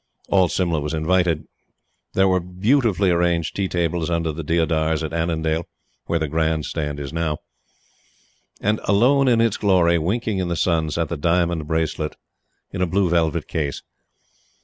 All Simla was invited. There were beautifully arranged tea tables under the deodars at Annandale, where the Grand Stand is now; and, alone in its glory, winking in the sun, sat the diamond bracelet in a blue velvet case.